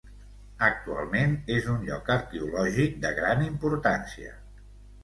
Actualment és un lloc arqueològic de gran importància.